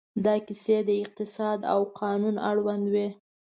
دا کیسې د اقتصاد او قانون اړوند وې.